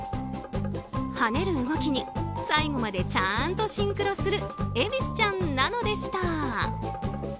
跳ねる動きに最後までちゃんとシンクロするえびすちゃんなのでした。